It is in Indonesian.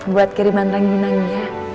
buat kiriman ranginannya